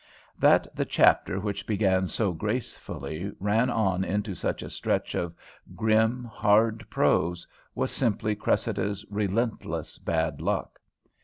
That the chapter which began so gracefully ran on into such a stretch of grim, hard prose, was simply Cressida's relentless bad luck.